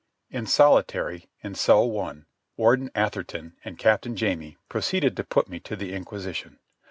In solitary, in Cell One, Warden Atherton and Captain Jamie proceeded to put me to the inquisition.